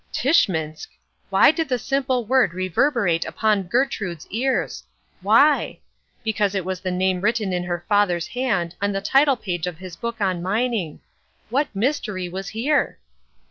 Tschminsk! why did the simple word reverberate upon Gertrude's ears? Why? Because it was the name written in her father's hand on the title page of his book on mining. What mystery was here?